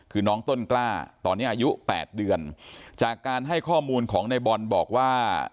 คือน้องต้นกล้าตอนนี้อายุ๘เดือนจากการให้ข้อมูลของในบอลบอกว่า